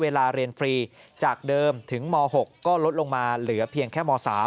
เวลาเรียนฟรีจากเดิมถึงม๖ก็ลดลงมาเหลือเพียงแค่ม๓